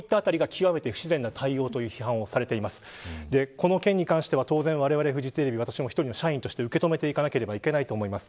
この件に関しては当然われわれフジテレビ１人の社員として受け止めなければいけないと思います。